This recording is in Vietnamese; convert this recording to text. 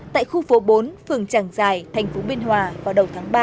tại khu phố bốn phường tràng giải tp binh hòa vào đầu tháng ba năm hai nghìn một mươi sáu